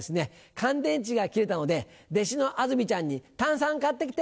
乾電池が切れたので弟子のあずみちゃんに「単３買って来て！」